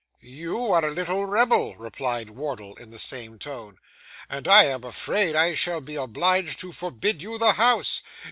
'You are a little rebel,' replied Wardle, in the same tone, 'and I am afraid I shall be obliged to forbid you the house.